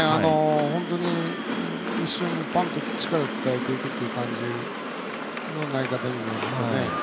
本当に後ろにポンと力を伝えていくという感じの投げ方ですよね。